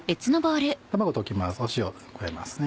卵溶きます塩加えますね